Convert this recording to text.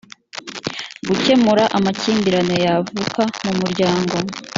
gukemura amakimbirane yavuka mu muryango